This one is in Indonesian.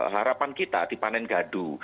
harapan kita dipanen gadu